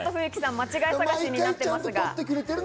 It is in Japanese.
間違い探しみたいになっています。